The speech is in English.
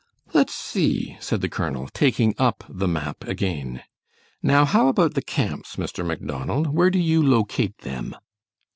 "Let's see," said the colonel, taking up the map again. "Now how about the camps, Mr. Macdonald, where do you locate them?"